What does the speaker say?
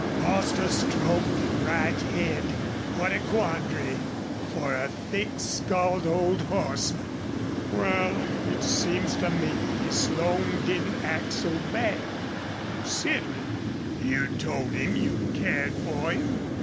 Bostil stroked the bright head. What a quandary for a thick skulled old horseman! "Wal, it seems to me Slone didn't act so bad, considerin'. You'd told him you cared for him.